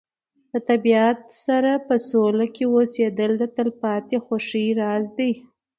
د طبیعت سره په سوله کې اوسېدل د تلپاتې خوښۍ راز دی.